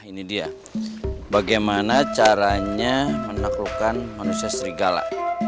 ini dia bagaimana caranya menaklukkan manusia serigala